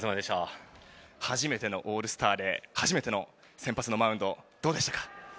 初めてのオールスターで初めての先発のマウンドどうでしたか？